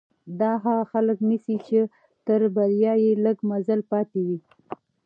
دا هغه خلک نيسي چې تر بريا يې لږ مزل پاتې وي.